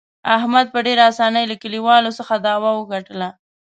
احمد په ډېر اسانۍ له کلیوالو څخه دعوه وګټله.